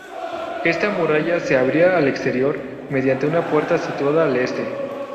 Esta muralla se abría al exterior mediante una puerta situada al este.